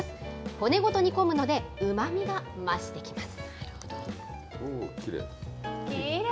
骨ごと煮込むので、うまみが増してきます。